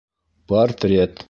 Портрет!